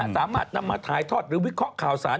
สามารถนำมาถ่ายทอดหรือวิเคราะห์ข่าวสาร